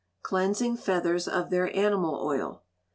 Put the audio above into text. Cleansing Feathers of their Animal Oil.